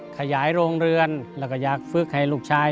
ขยายโรงเรือนแล้วก็อยากฝึกให้ลูกชาย